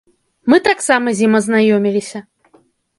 Мы таксама з ім азнаёміліся.